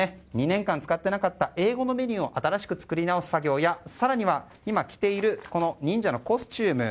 ２年間使ってなかった英語のメニューを新しく作り直す作業や更には、今着ている忍者のコスチューム。